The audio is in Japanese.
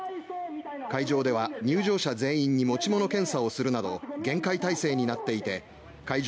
会場では入場者全員に持ち物検査をするなど厳戒態勢になっていて会場